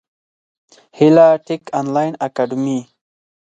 هیله ټېک انلاین اکاډمي